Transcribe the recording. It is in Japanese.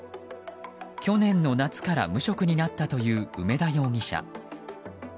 去年の夏から無職になったという梅田容疑者。